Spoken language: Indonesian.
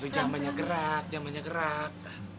jamanya gerak jamanya gerak